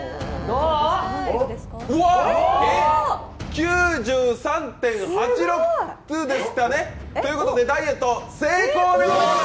９３．８６ということでダイエット成功でございます！